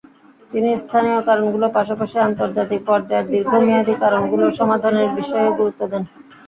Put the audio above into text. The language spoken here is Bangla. তিনি স্থানীয় কারণগুলোর পাশাপাশি আন্তর্জাতিক পর্যায়ের দীর্ঘমেয়াদি কারণগুলো সমাধানের বিষয়েও গুরুত্ব দেন।